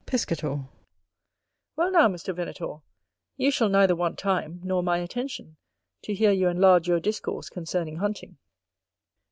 Piscator. Well, now, Mr. Venator, you shall neither want time, nor my attention to hear you enlarge your discourse concerning hunting.